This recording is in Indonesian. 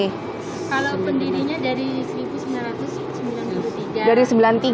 kalau pendirinya dari seribu sembilan ratus sembilan puluh tiga